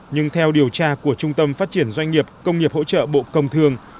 nhưng theo điều tra của trung tâm phát triển doanh nghiệp công nghiệp hỗ trợ bộ công thương